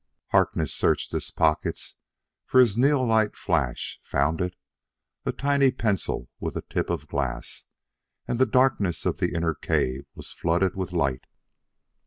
Harkness searched his pockets for his neolite flash; found it a tiny pencil with a tip of glass and the darkness of the inner cave was flooded with light.